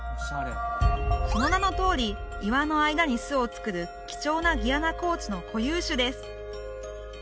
その名のとおり岩の間に巣を作る貴重なギアナ高地の固有種です